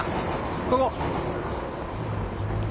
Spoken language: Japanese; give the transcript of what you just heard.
ここ！